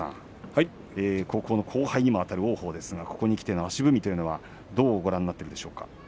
高校の後輩にあたる王鵬ですがここにきての足踏みは、どうご覧になっているでしょうか。